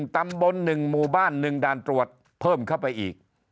ตำบล๑หมู่บ้าน๑ด่านตรวจเพิ่มเข้าไปอีก